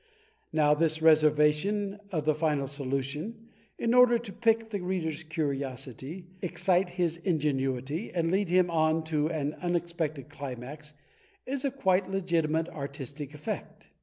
Now this reservation of the final solution, in order to pique the reader's curiosity, excite his ingenuity, and lead him on to an imexpected climax, is a quite legitimate artistic effect.